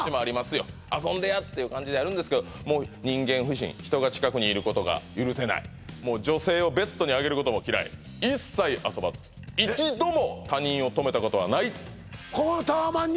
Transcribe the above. よそうやろな遊んでやっていう感じでやるんですけどもう人間不信人が近くにいることが許せない女性をベッドに上げることも嫌い一切遊ばずここのタワマンに？